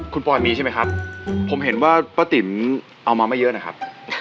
คุณปอยมีใช่ไหมครับผมเห็นว่าป้าติ๋มเอามาไม่เยอะนะครับ